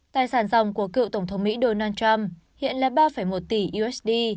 tài sản dòng của cựu tổng thống mỹ donald trump hiện là ba một tỷ usd